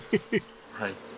はい。